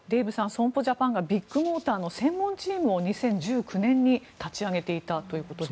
損保ジャパンがビッグモーターの専門チームを２０１９年に立ち上げていたということです。